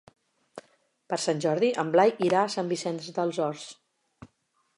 Per Sant Jordi en Blai irà a Sant Vicenç dels Horts.